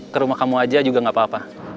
ke rumah kamu aja juga gak apa apa